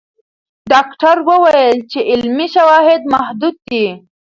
ډاکټره وویل چې علمي شواهد محدود دي.